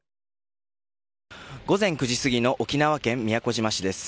午前９時すぎの沖縄県宮古島市です。